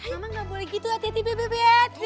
nama gak boleh gitu ya tete beb beb beb